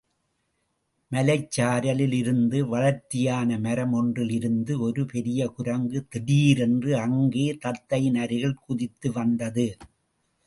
மலைச்சாரலில் இருந்த வளர்த்தியான மரமொன்றிலிருந்து ஒரு பெரிய குரங்கு திடீரென்று அங்கே தத்தையின் அருகில் குதித்து வந்தது.